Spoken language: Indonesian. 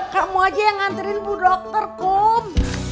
kamu aja yang nganterin bu dokter kum